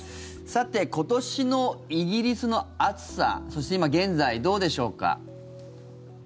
さて今年のイギリスの暑さそして今現在、どうでしょうか。